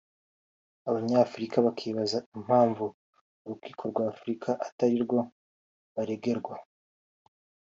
Abanyafurika bakibaza impamvu urukiko rwa Afurika atari rwo baregerwa